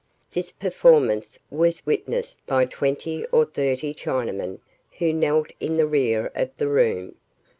This performance was witnessed by twenty or thirty Chinamen who knelt in the rear of the room.